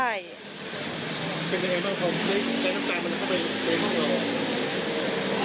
แก๊สน้ำตามันเข้าไปในห้องเหรอ